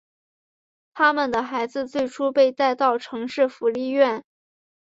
他们的孩子最初被带到城市福利院。